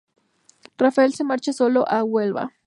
Rafael se marcha solo a Huelva.